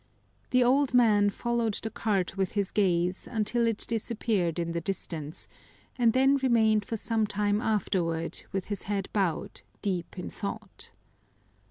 The old man followed the cart with his gaze until it disappeared in the distance and then remained for some time afterward with his head bowed, deep in thought.